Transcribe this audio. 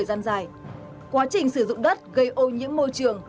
cảm ơn các bạn đã theo dõi